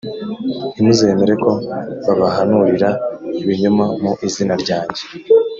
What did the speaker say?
ntimuzemere ko babahanurira ibinyoma mu izina ryanjye